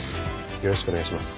よろしくお願いします。